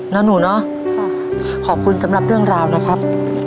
หนูเนาะขอบคุณสำหรับเรื่องราวนะครับ